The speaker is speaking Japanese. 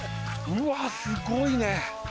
うわすごいね！